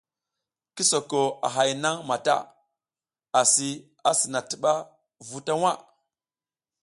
Ki soko a hay nang mata asi asina tiba v uta waʼa.